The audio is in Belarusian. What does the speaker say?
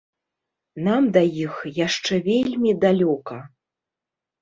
Нам да іх яшчэ вельмі далёка!